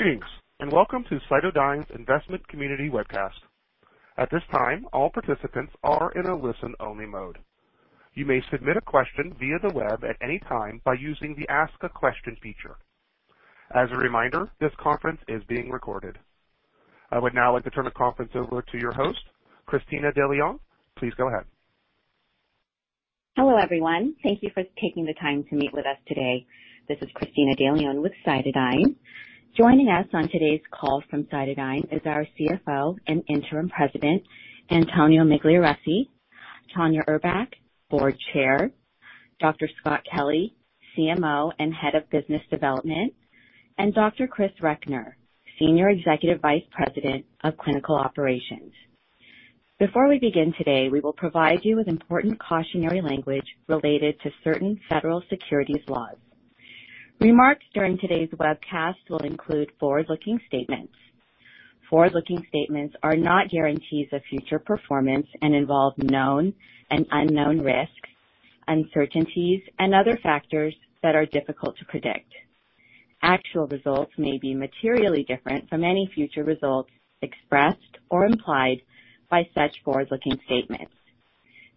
Greetings, and welcome to CytoDyn's Investment Community Webcast. At this time, all participants are in a listen-only mode. You may submit a question via the web at any time by using the Ask a Question feature. As a reminder, this conference is being recorded. I would now like to turn the conference over to your host, Cristina De Leon. Please go ahead. Hello, everyone. Thank you for taking the time to meet with us today. This is Cristina De Leon with CytoDyn. Joining us on today's call from CytoDyn is our CFO and Interim President, Antonio Migliarese, Tanya Urbach, Board Chair, Dr. Scott Kelly, CMO and Head of Business Development, and Dr. Chris Reckner, Senior Executive Vice President of Clinical Operations. Before we begin today, we will provide you with important cautionary language related to certain federal securities laws. Remarks during today's webcast will include forward-looking statements. Forward-looking statements are not guarantees of future performance and involve known and unknown risks, uncertainties, and other factors that are difficult to predict. Actual results may be materially different from any future results expressed or implied by such forward-looking statements.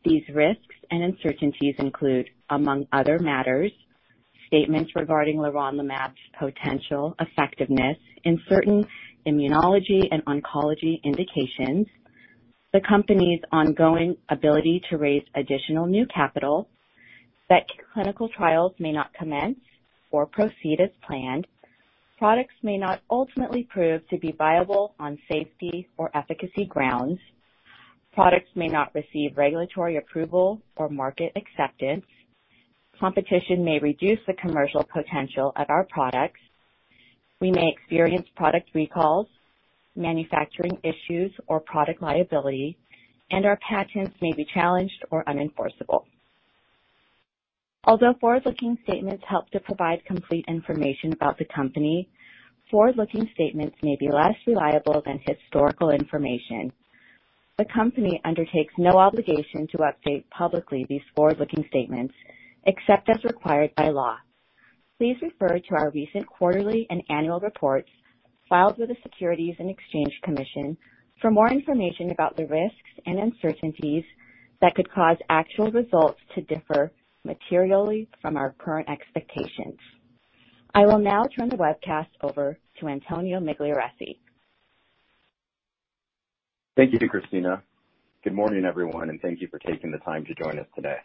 These risks and uncertainties include, among other matters, statements regarding leronlimab's potential effectiveness in certain immunology and oncology indications, the company's ongoing ability to raise additional new capital, that clinical trials may not commence or proceed as planned, products may not ultimately prove to be viable on safety or efficacy grounds, products may not receive regulatory approval or market acceptance, competition may reduce the commercial potential of our products, we may experience product recalls, manufacturing issues, or product liability, and our patents may be challenged or unenforceable. Although forward-looking statements help to provide complete information about the company, forward-looking statements may be less reliable than historical information. The company undertakes no obligation to update publicly these forward-looking statements, except as required by law. Please refer to our recent quarterly and annual reports filed with the Securities and Exchange Commission for more information about the risks and uncertainties that could cause actual results to differ materially from our current expectations. I will now turn the webcast over to Antonio Migliarese. Thank you, Cristina. Good morning, everyone, and thank you for taking the time to join us today.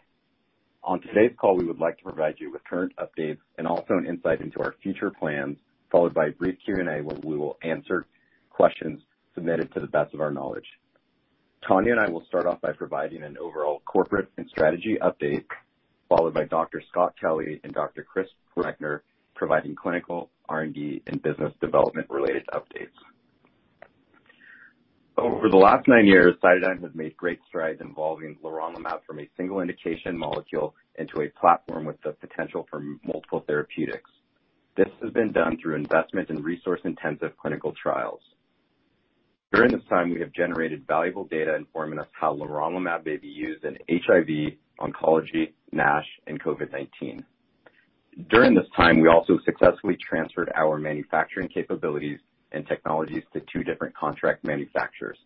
On today's call, we would like to provide you with current updates and also an insight into our future plans, followed by a brief Q&A where we will answer questions submitted to the best of our knowledge. Tanya and I will start off by providing an overall corporate and strategy update, followed by Dr. Scott Kelly and Dr. Chris Reckner providing clinical R&D and business development related updates. Over the last nine years, CytoDyn has made great strides involving leronlimab from a single indication molecule into a platform with the potential for multiple therapeutics. This has been done through investment in resource-intensive clinical trials. During this time, we have generated valuable data informing us how leronlimab may be used in HIV, oncology, NASH, and COVID-19. During this time, we also successfully transferred our manufacturing capabilities and technologies to two different contract manufacturers,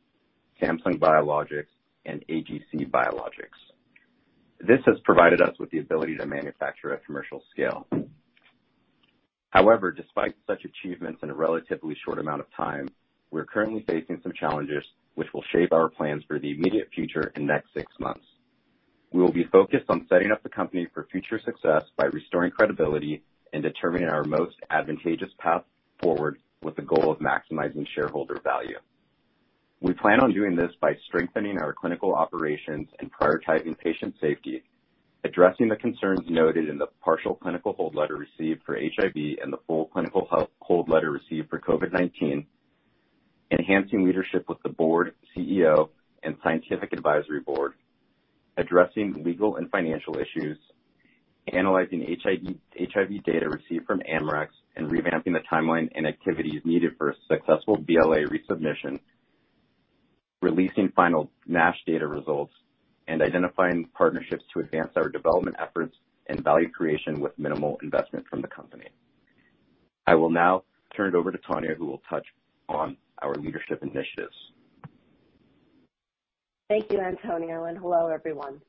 Samsung Biologics and AGC Biologics. This has provided us with the ability to manufacture at commercial scale. However, despite such achievements in a relatively short amount of time, we're currently facing some challenges which will shape our plans for the immediate future and next six months. We will be focused on setting up the company for future success by restoring credibility and determining our most advantageous path forward with the goal of maximizing shareholder value. We plan on doing this by strengthening our clinical operations and prioritizing patient safety, addressing the concerns noted in the partial clinical hold letter received for HIV and the full clinical hold letter received for COVID-19, enhancing leadership with the board, CEO, and scientific advisory board, addressing legal and financial issues, analyzing HIV data received from Amarex, and revamping the timeline and activities needed for a successful BLA resubmission, releasing final NASH data results, and identifying partnerships to advance our development efforts and value creation with minimal investment from the company. I will now turn it over to Tanya, who will touch on our leadership initiatives. Thank you, Antonio, and hello, everyone.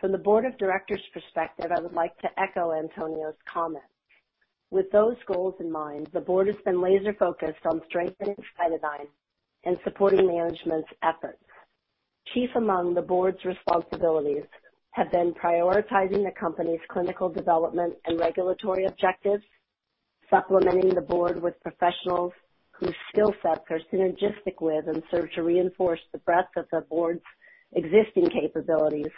From the board of directors' perspective, I would like to echo Antonio's comments. With those goals in mind, the board has been laser-focused on strengthening CytoDyn and supporting management's efforts. Chief among the board's responsibilities have been prioritizing the company's clinical development and regulatory objectives, supplementing the board with professionals whose skill sets are synergistic with and serve to reinforce the breadth of the board's existing capabilities,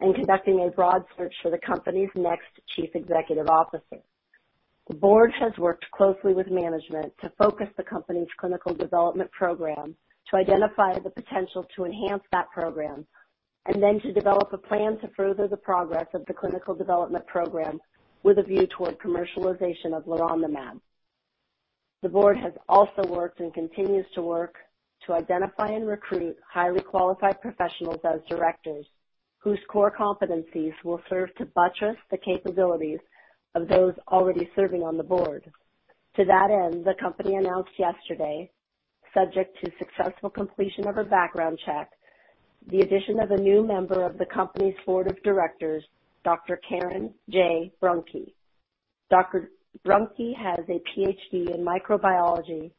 and conducting a broad search for the company's next chief executive officer. The board has worked closely with management to focus the company's clinical development program to identify the potential to enhance that program and then to develop a plan to further the progress of the clinical development program with a view toward commercialization of leronlimab. The board has also worked and continues to work to identify and recruit highly qualified professionals as directors whose core competencies will serve to buttress the capabilities of those already serving on the board. To that end, the company announced yesterday, subject to successful completion of a background check, the addition of a new member of the company's board of directors, Dr. Karen J. Brunke. Dr. Brunke has a Ph.D. in microbiology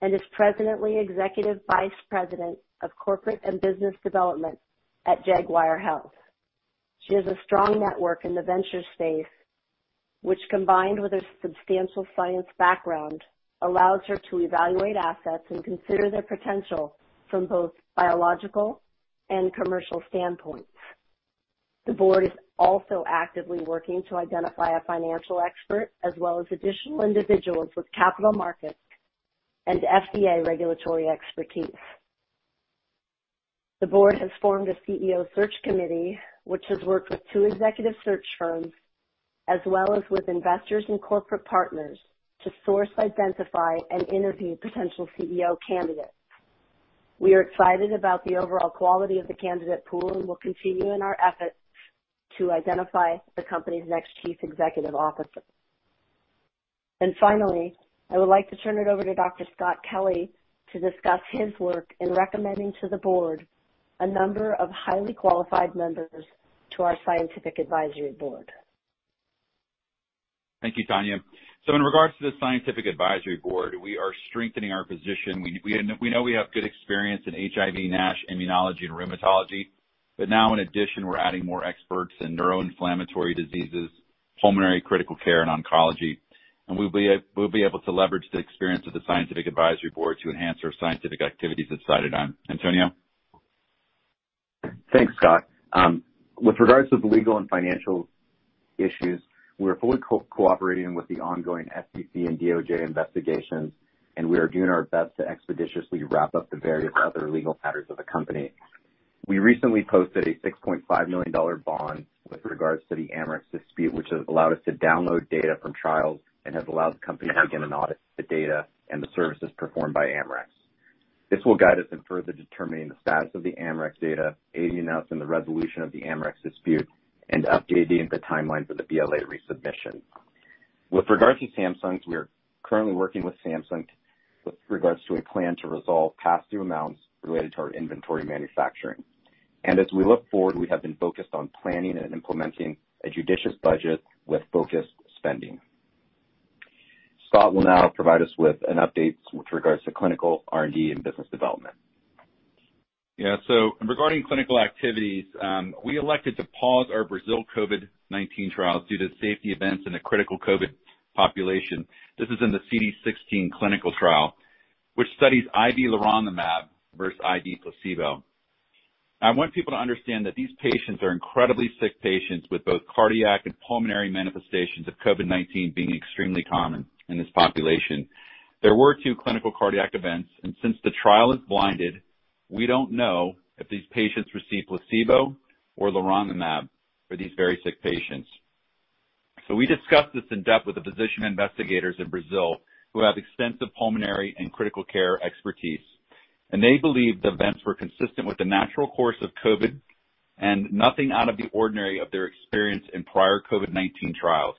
and is presently Executive Vice President of Corporate and Business Development at Jaguar Health. She has a strong network in the venture space, which, combined with her substantial science background, allows her to evaluate assets and consider their potential from both biological and commercial standpoints. The board is also actively working to identify a financial expert, as well as additional individuals with capital markets and FDA regulatory expertise. The board has formed a CEO search committee, which has worked with two executive search firms as well as with investors and corporate partners to source, identify, and interview potential CEO candidates. We are excited about the overall quality of the candidate pool and will continue in our efforts to identify the company's next chief executive officer. Finally, I would like to turn it over to Dr. Scott Kelly to discuss his work in recommending to the board a number of highly qualified members to our scientific advisory board. Thank you, Tanya. In regards to the scientific advisory board, we are strengthening our position. We know we have good experience in HIV, NASH, immunology, and rheumatology, but now in addition, we're adding more experts in neuroinflammatory diseases, pulmonary critical care, and oncology. We'll be able to leverage the experience of the scientific advisory board to enhance our scientific activities at CytoDyn. Antonio Migliarese. Thanks, Scott. With regards to the legal and financial issues, we're fully cooperating with the ongoing SEC and DOJ investigations, and we are doing our best to expeditiously wrap up the various other legal matters of the company. We recently posted a $6.5 million bond with regards to the Amarex dispute, which has allowed us to download data from trials and has allowed the company to begin an audit of the data and the services performed by Amarex. This will guide us in further determining the status of the Amarex data, aiding us in the resolution of the Amarex dispute, and updating the timeline for the BLA resubmission. With regards to Samsung, we are currently working with Samsung with regards to a plan to resolve past due amounts related to our inventory manufacturing. As we look forward, we have been focused on planning and implementing a judicious budget with focused spending. Scott will now provide us with an update with regards to clinical R&D and business development. Yeah. Regarding clinical activities, we elected to pause our Brazil COVID-19 trials due to safety events in a critical COVID population. This is in the CD16 clinical trial, which studies IV leronlimab versus IV placebo. I want people to understand that these patients are incredibly sick patients, with both cardiac and pulmonary manifestations of COVID-19 being extremely common in this population. There were two clinical cardiac events, and since the trial is blinded, we don't know if these patients received placebo or leronlimab for these very sick patients. We discussed this in depth with the physician investigators in Brazil, who have extensive pulmonary and critical care expertise. They believe the events were consistent with the natural course of COVID and nothing out of the ordinary of their experience in prior COVID-19 trials.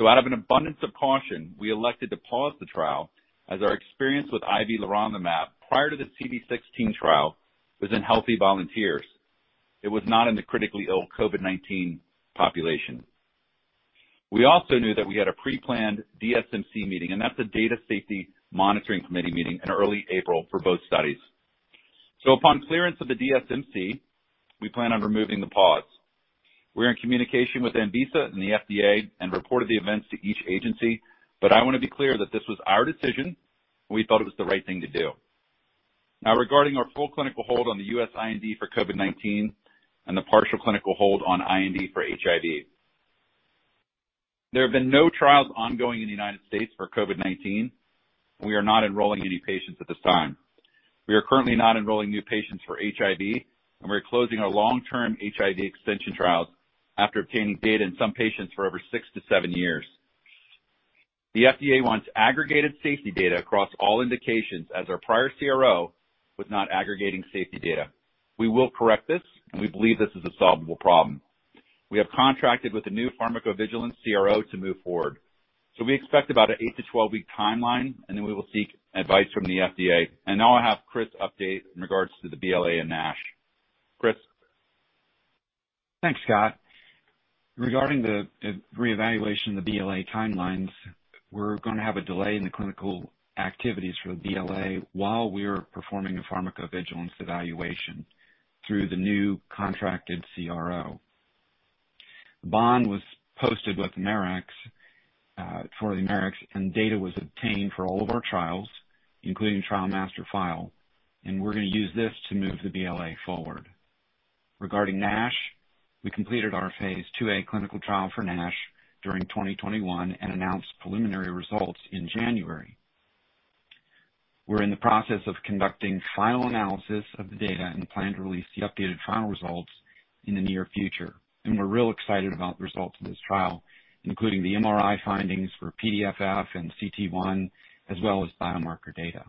Out of an abundance of caution, we elected to pause the trial as our experience with IV leronlimab prior to the CD16 trial was in healthy volunteers. It was not in the critically ill COVID-19 population. We also knew that we had a pre-planned DSMC meeting, and that's a data safety monitoring committee meeting in early April for both studies. Upon clearance of the DSMC, we plan on removing the pause. We're in communication with Anvisa and the FDA and reported the events to each agency, but I wanna be clear that this was our decision. We thought it was the right thing to do. Now, regarding our full clinical hold on the U.S. IND for COVID-19 and the partial clinical hold on IND for HIV. There have been no trials ongoing in the United States for COVID-19. We are not enrolling any patients at this time. We are currently not enrolling new patients for HIV, and we're closing our long-term HIV extension trials after obtaining data in some patients for over 6-7 years. The FDA wants aggregated safety data across all indications, as our prior CRO was not aggregating safety data. We will correct this, and we believe this is a solvable problem. We have contracted with a new pharmacovigilance CRO to move forward. We expect about an 8-12-week timeline, and then we will seek advice from the FDA. Now I'll have Chris update in regards to the BLA and NASH. Chris. Thanks, Scott. Regarding the reevaluation of the BLA timelines, we're gonna have a delay in the clinical activities for the BLA while we are performing a pharmacovigilance evaluation through the new contracted CRO. The bond was posted with Amarex for the Amarex, and data was obtained for all of our trials, including trial master file. We're gonna use this to move the BLA forward. Regarding NASH, we completed our phase IIa clinical trial for NASH during 2021 and announced preliminary results in January. We're in the process of conducting final analysis of the data and plan to release the updated final results in the near future. We're real excited about the results of this trial, including the MRI findings for PDFF and cT1, as well as biomarker data.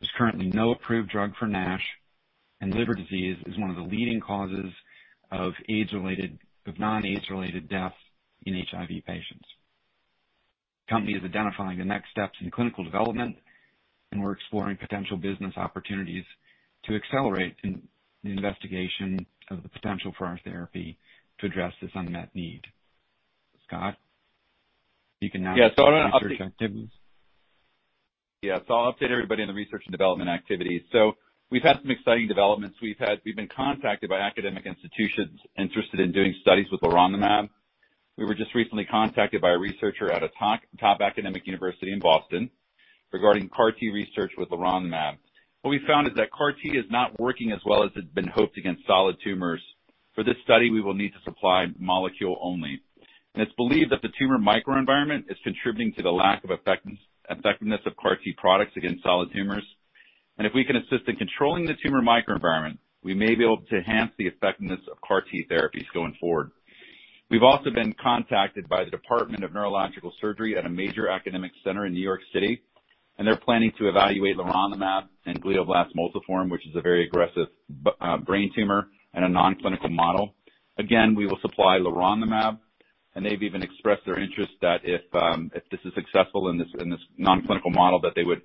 There's currently no approved drug for NASH, and liver disease is one of the leading causes of non-AIDS-related deaths in HIV patients. Company is identifying the next steps in clinical development, and we're exploring potential business opportunities to accelerate in the investigation of the potential for our therapy to address this unmet need. Scott, you can now- Yeah. I wanna update- Research activities. Yeah. I'll update everybody on the research and development activities. We've had some exciting developments. We've been contacted by academic institutions interested in doing studies with leronlimab. We were just recently contacted by a researcher at a top academic university in Boston regarding CAR T research with leronlimab. What we found is that CAR T is not working as well as had been hoped against solid tumors. For this study, we will need to supply molecule only. It's believed that the tumor microenvironment is contributing to the lack of effectiveness of CAR T products against solid tumors. If we can assist in controlling the tumor microenvironment, we may be able to enhance the effectiveness of CAR T therapies going forward. We've also been contacted by the Department of Neurological Surgery at a major academic center in New York City, and they're planning to evaluate leronlimab in glioblastoma multiforme, which is a very aggressive brain tumor in a non-clinical model. Again, we will supply leronlimab, and they've even expressed their interest that if this is successful in this non-clinical model, that they would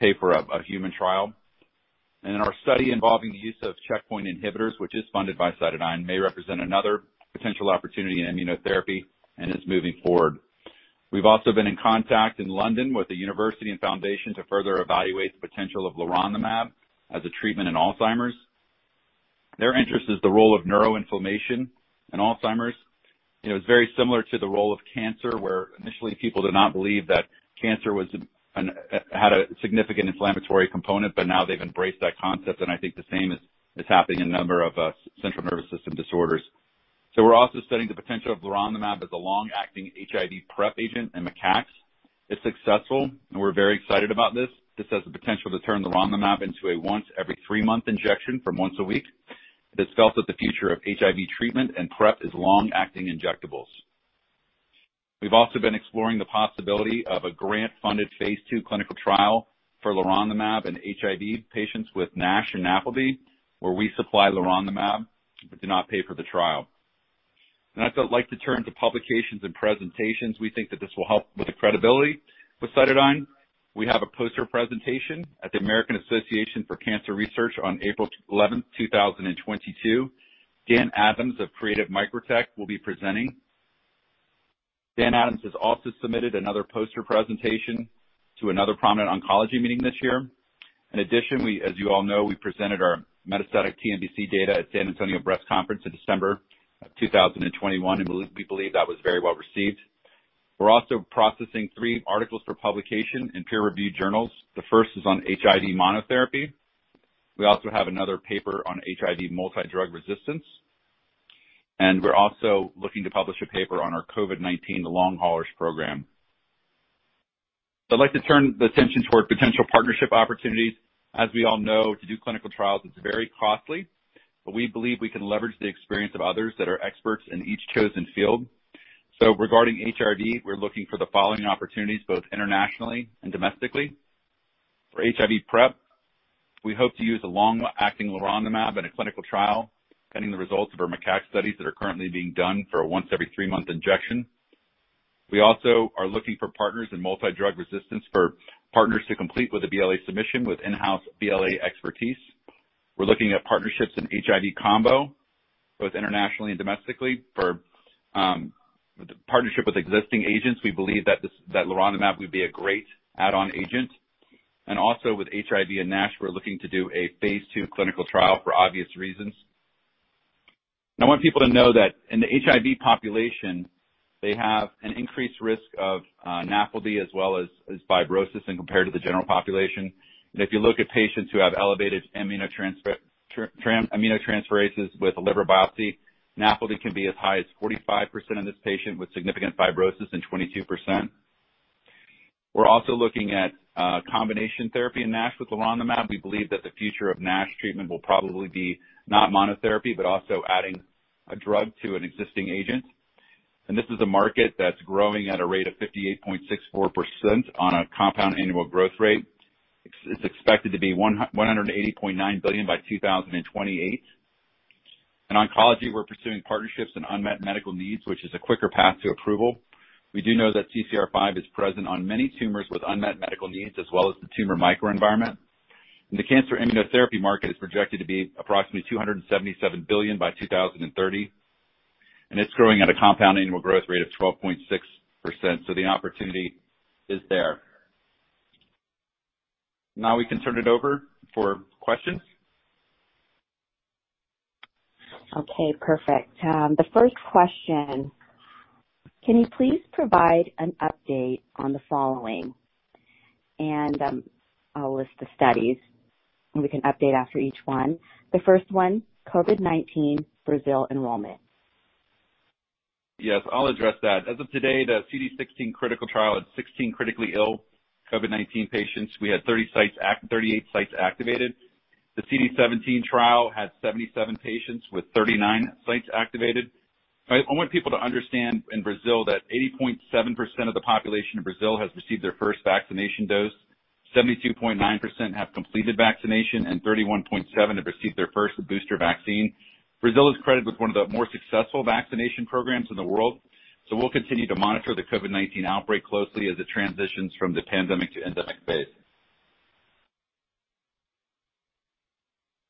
pay for a human trial. In our study involving the use of checkpoint inhibitors, which is funded by CytoDyn, may represent another potential opportunity in immunotherapy and is moving forward. We've also been in contact in London with the university and foundation to further evaluate the potential of leronlimab as a treatment in Alzheimer's. Their interest is the role of neuroinflammation in Alzheimer's. You know, it's very similar to the role of cancer, where initially people did not believe that cancer was an had a significant inflammatory component, but now they've embraced that concept, and I think the same is happening in a number of central nervous system disorders. We're also studying the potential of leronlimab as a long-acting HIV PrEP agent in macaques. It's successful, and we're very excited about this. This has the potential to turn leronlimab into a once every 3-month injection from once a week. It is felt that the future of HIV treatment and PrEP is long-acting injectables. We've also been exploring the possibility of a grant-funded phase II clinical trial for leronlimab in HIV patients with NASH and NAFLD, where we supply leronlimab but do not pay for the trial. Now I'd like to turn to publications and presentations. We think that this will help with the credibility with CytoDyn. We have a poster presentation at the American Association for Cancer Research on April 11th, 2022. Dan Adams of Creatv MicroTech will be presenting. Dan Adams has also submitted another poster presentation to another prominent oncology meeting this year. In addition, we, as you all know, we presented our metastatic TNBC data at San Antonio Breast Cancer Symposium in December 2021, and we believe that was very well received. We're also processing three articles for publication in peer-reviewed journals. The first is on HIV monotherapy. We also have another paper on HIV multidrug resistance. We're also looking to publish a paper on our COVID-19 long haulers program. I'd like to turn the attention toward potential partnership opportunities. As we all know, to do clinical trials, it's very costly, but we believe we can leverage the experience of others that are experts in each chosen field. Regarding HIV, we're looking for the following opportunities, both internationally and domestically. For HIV PrEP, we hope to use a long-acting leronlimab in a clinical trial, pending the results of our macaque studies that are currently being done for a once every 3-month injection. We also are looking for partners in multidrug resistance for partners to complete with a BLA submission with in-house BLA expertise. We're looking at partnerships in HIV combo, both internationally and domestically, for partnership with existing agents. We believe that leronlimab would be a great add-on agent. Also with HIV and NASH, we're looking to do a phase II clinical trial for obvious reasons. I want people to know that in the HIV population, they have an increased risk of NAFLD, as well as fibrosis when compared to the general population. If you look at patients who have elevated aminotransferases with a liver biopsy, NAFLD can be as high as 45% in this patient with significant fibrosis in 22%. We're also looking at combination therapy in NASH with leronlimab. We believe that the future of NASH treatment will probably be not monotherapy, but also adding a drug to an existing agent. This is a market that's growing at a rate of 58.64% on a compound annual growth rate. It's expected to be $180.9 billion by 2028. In oncology, we're pursuing partnerships in unmet medical needs, which is a quicker path to approval. We do know that CCR5 is present on many tumors with unmet medical needs, as well as the tumor microenvironment. The cancer immunotherapy market is projected to be approximately $277 billion by 2030, and it's growing at a compound annual growth rate of 12.6%, so the opportunity is there. Now we can turn it over for questions. Okay, perfect. The first question: Can you please provide an update on the following? I'll list the studies, and we can update after each one. The first one, COVID-19 Brazil enrollment. Yes, I'll address that. As of today, the CD16 critical trial had 16 critically ill COVID-19 patients. We had 38 sites activated. The CD17 trial had 77 patients with 39 sites activated. I want people to understand in Brazil that 80.7% of the population of Brazil has received their first vaccination dose, 72.9% have completed vaccination and 31.7% have received their first booster vaccine. Brazil is credited with one of the more successful vaccination programs in the world, so we'll continue to monitor the COVID-19 outbreak closely as it transitions from the pandemic to endemic phase.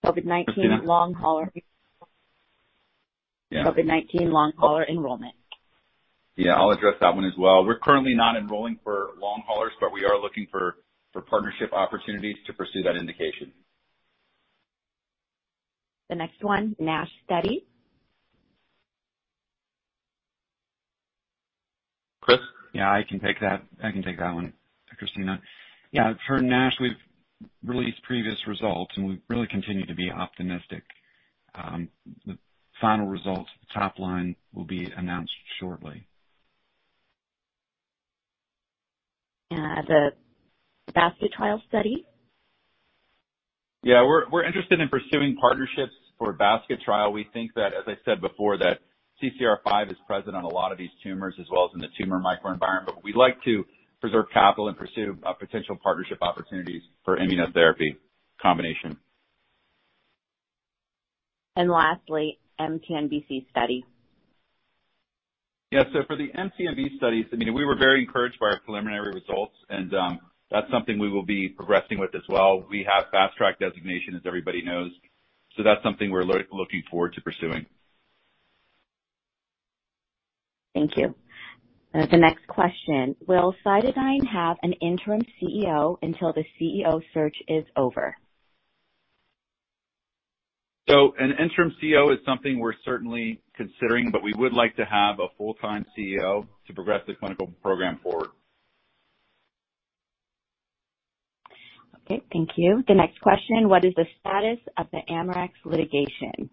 COVID-19 long hauler. Yeah. COVID-19 long hauler enrollment. Yeah, I'll address that one as well. We're currently not enrolling for long haulers, but we are looking for partnership opportunities to pursue that indication. The next one, NASH study. Chris? Yeah, I can take that. I can take that one, Cristina. Yeah, for NASH, we've released previous results, and we really continue to be optimistic. The final results, the top line will be announced shortly. The basket trial study. Yeah, we're interested in pursuing partnerships for a basket trial. We think that, as I said before, that CCR5 is present on a lot of these tumors as well as in the tumor microenvironment. We'd like to preserve capital and pursue potential partnership opportunities for immunotherapy combination. Lastly, MTMBC study. Yeah. For the MTMBC studies, I mean, we were very encouraged by our preliminary results and, that's something we will be progressing with as well. We have Fast Track designation, as everybody knows, that's something we're looking forward to pursuing. Thank you. The next question: Will CytoDyn have an interim CEO until the CEO search is over? An interim CEO is something we're certainly considering, but we would like to have a full-time CEO to progress the clinical program forward. Okay, thank you. The next question: What is the status of the Amarex litigation?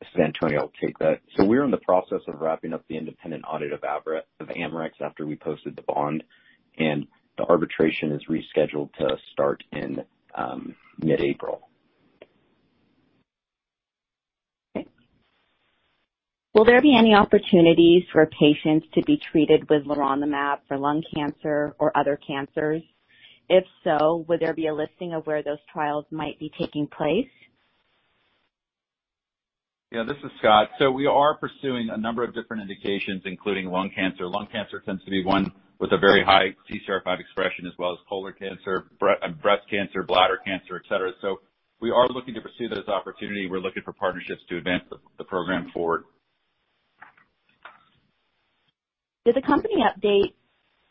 This is Antonio. I'll take that. We're in the process of wrapping up the independent audit of Amarex after we posted the bond, and the arbitration is rescheduled to start in mid-April. Okay. Will there be any opportunities for patients to be treated with leronlimab for lung cancer or other cancers? If so, will there be a listing of where those trials might be taking place? Yeah, this is Scott. We are pursuing a number of different indications, including lung cancer. Lung cancer tends to be one with a very high CCR5 expression as well as colon cancer, breast cancer, bladder cancer, et cetera. We are looking to pursue those opportunities. We're looking for partnerships to advance the program forward. Did the company update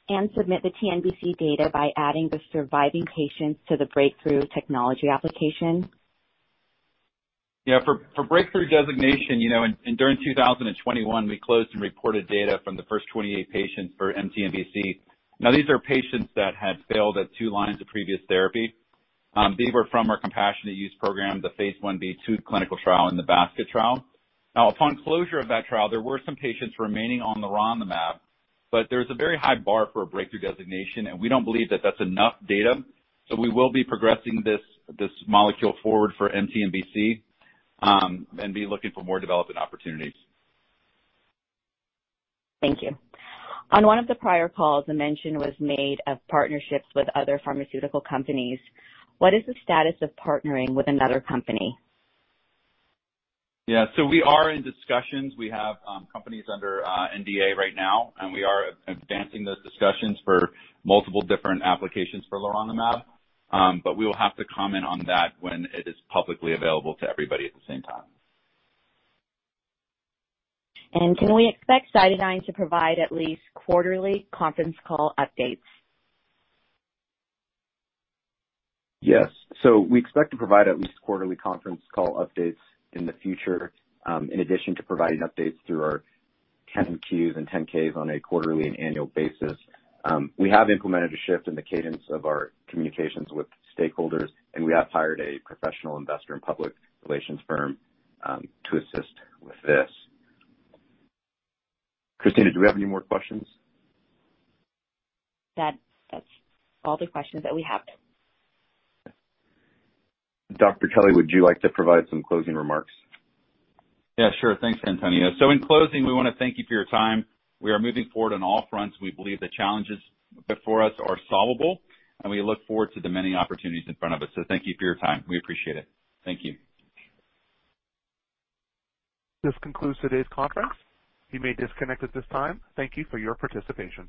and submit the TNBC data by adding the surviving patients to the breakthrough therapy application? Yeah. For breakthrough designation, you know, and during 2021, we closed and reported data from the first 28 patients for MTMBC. Now, these are patients that had failed at two lines of previous therapy. They were from our compassionate use program, the phase Ib/II clinical trial and the basket trial. Now, upon closure of that trial, there were some patients remaining on leronlimab, but there's a very high bar for a breakthrough designation, and we don't believe that that's enough data. We will be progressing this molecule forward for MTMBC, and be looking for more development opportunities. Thank you. On one of the prior calls, a mention was made of partnerships with other pharmaceutical companies. What is the status of partnering with another company? Yeah. We are in discussions. We have companies under NDA right now, and we are advancing those discussions for multiple different applications for leronlimab. We will have to comment on that when it is publicly available to everybody at the same time. Can we expect CytoDyn to provide at least quarterly conference call updates? Yes. We expect to provide at least quarterly conference call updates in the future, in addition to providing updates through our 10-Qs and 10-Ks on a quarterly and annual basis. We have implemented a shift in the cadence of our communications with stakeholders, and we have hired a professional investor and public relations firm, to assist with this. Cristina, do we have any more questions? That's all the questions that we have. Dr. Kelly, would you like to provide some closing remarks? Yeah, sure. Thanks, Antonio. In closing, we wanna thank you for your time. We are moving forward on all fronts. We believe the challenges before us are solvable, and we look forward to the many opportunities in front of us. Thank you for your time. We appreciate it. Thank you. This concludes today's conference. You may disconnect at this time. Thank you for your participation.